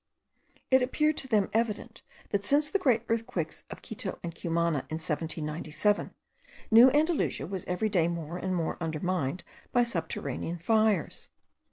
It appeared to them evident, that since the great earthquakes of Quito and Cumana in 1797, New Andalusia was every day more and more undermined by subterranean fires.